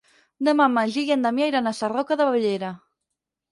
Demà en Magí i na Damià iran a Sarroca de Bellera.